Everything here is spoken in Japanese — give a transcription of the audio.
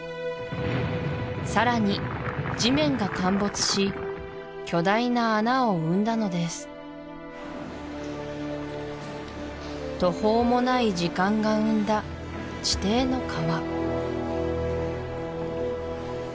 さらに地面が陥没し巨大な穴を生んだのです途方もない時間が生んだ地底の川